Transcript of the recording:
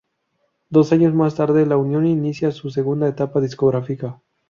Dos años más tarde, La Unión inicia su segunda etapa discográfica.